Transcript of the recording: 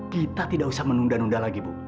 kita tidak usah menunda nunda lagi bu